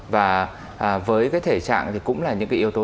và với thể trạng thì cũng là những yếu tố